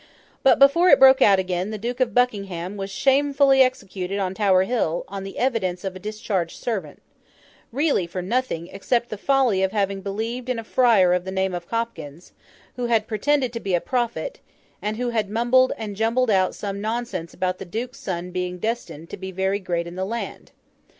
But, before it broke out again, the Duke of Buckingham was shamefully executed on Tower Hill, on the evidence of a discharged servant—really for nothing, except the folly of having believed in a friar of the name of Hopkins, who had pretended to be a prophet, and who had mumbled and jumbled out some nonsense about the Duke's son being destined to be very great in the land.